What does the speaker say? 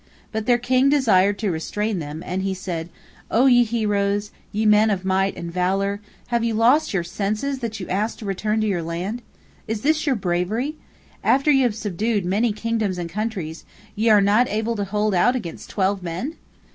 But their king desired to restrain them, and he said: "O ye heroes, ye men of might and valor, have you lost your senses that you ask to return to your land? Is this your bravery? After you have subdued many kingdoms and countries, ye are not able to hold out against twelve men?